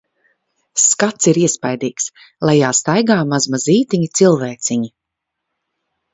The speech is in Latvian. Skats ir iespaidīgs - lejā staigā mazmazītiņi cilvēciņi.